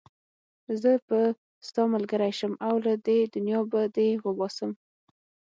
زه به ستا ملګری شم او له دې دنيا به دې وباسم.